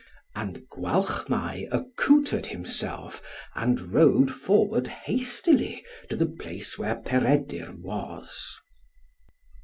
And Gwalchmai accoutred himself, and rode forward hastily to the place where Peredur was.